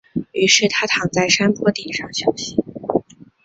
于是他躺在山坡顶上休息。